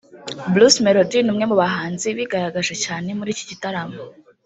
Bruce Melody ni umwe mu bahanzi bigaragaje cyane muri iki gitaramo